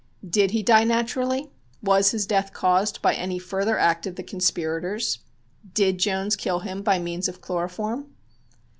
Did he die naturally? Was his death caused by any further act of the conspirators? Did Jones kill him by means of chloroform?